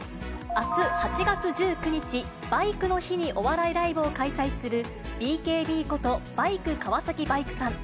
あす８月１９日、バイクの日にお笑いライブを開催する、ＢＫＢこと、バイク川崎バイクさん。